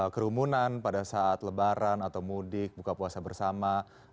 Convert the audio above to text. kerumunan pada saat lebaran atau mudik buka puasa bersama